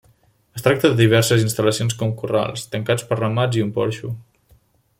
Es tracta de diverses instal·lacions com corrals, tancat per ramats i un porxo.